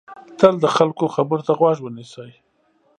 تل د خلکو خبرو ته غوږ ونیسئ.